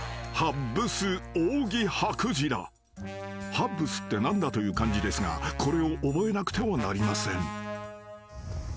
［ハッブスって何だという感じですがこれを覚えなくてはなりません］